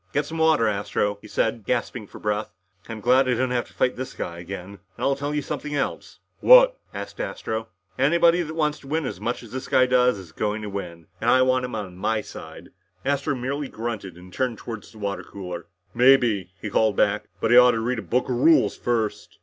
"Get some water, Astro," he said, gasping for breath. "I'm glad I don't have to fight this guy again. And I'll tell you something else " "What?" asked Astro. "Anybody that wants to win as much as this guy does, is going to win, and I want to have him on my side!" Astro merely grunted as he turned toward the water cooler. "Maybe," he called back. "But he ought to read a book of rules first!"